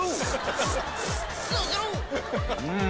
うん！